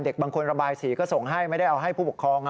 บางคนระบายสีก็ส่งให้ไม่ได้เอาให้ผู้ปกครอง